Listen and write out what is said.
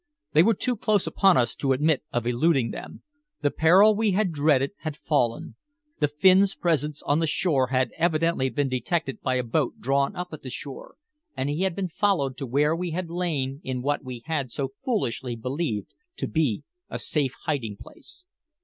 They were too close upon us to admit of eluding them. The peril we had dreaded had fallen. The Finn's presence on the bank had evidently been detected by a boat drawn up at the shore, and he had been followed to where we had lain in what we had so foolishly believed to be a safe hiding place.